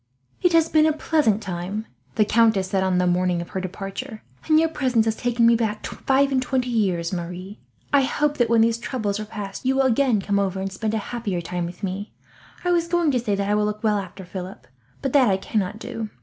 "It has been a pleasant time," the countess said, on the morning of her departure; "and your presence has taken me back five and twenty years, Marie. I hope that when these troubles are past you will again come over, and spend a happier time with me. I was going to say that I will look well after Philip, but that I cannot do.